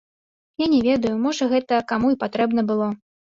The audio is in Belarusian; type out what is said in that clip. Я не ведаю, можа гэта каму і патрэбна было.